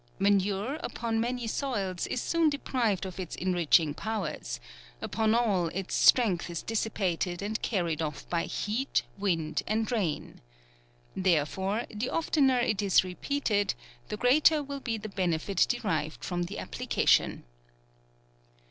Manure, upon many soils, is soon deprived of its enriching powers; upon all, its strength is dissipated and carried off by heat, wind and rain. Therefore, the oftener it is re* peated, the greater will be the benefit deriv ed from the application.